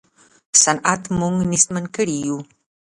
صنعت موږ نېستمن کړي یو.